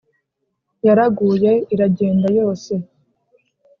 yaraguye iragenda yose